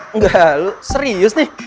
enggak lu serius nih